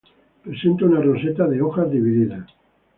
Presenta una roseta de hojas divididas.